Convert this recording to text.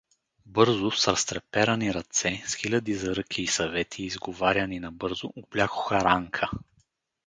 Бързо, с разтреперани ръце, с хиляди заръки и съвети, изговаряни набързо, облякоха Ранка.